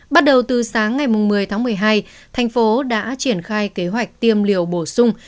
bắt đầu từ sáng ngày một mươi một mươi hai tp hcm đã triển khai kế hoạch tiêm liều bổ sung